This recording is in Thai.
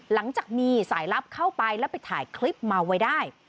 หลังจากมีสายลับเข้าไปแล้วไปถ่ายคลิปมาไว้ได้